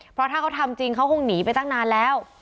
เพราะถ้าเขาทำจริงเขาคงหนีไปตั้งนานแล้ว